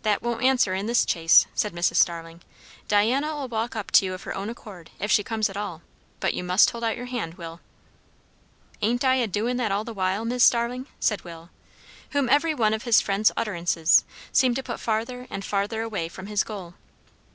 "That won't answer in this chase," said Mrs. Starling. "Diana'll walk up to you of her own accord, if she comes at all; but you must hold out your hand, Will." "Ain't I a doin' that all the while, Mis' Starling?" said Will, whom every one of his friend's utterances seemed to put farther and farther away from his goal.